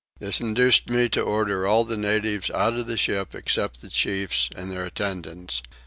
This induced me to order all the natives out of the ship except the chiefs and their attendants.